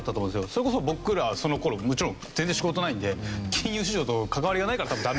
それこそ僕らその頃もちろん全然仕事ないんで金融市場と関わりがないから多分ダメージはなかったって事だと。